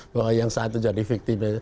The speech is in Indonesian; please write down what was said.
bahwa yang satu jadi fiktif